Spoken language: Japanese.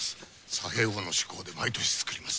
佐兵衛翁の趣向で毎年作ります。